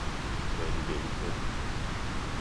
sagde de begge to.